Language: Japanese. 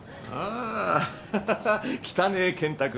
あハハハ来たね健太君。